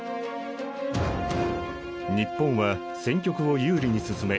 日本は戦局を有利に進め